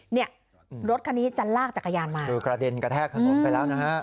เนี่ยรถคันนี้จะลากจักรยานมาคือกระเด็นกระแทกถนนไปแล้วนะฮะ